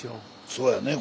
そうやね。